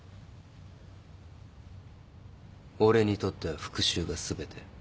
俺にとっては復讐が全て。